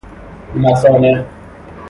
مثانه